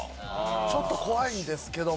ちょっと怖いんですけども。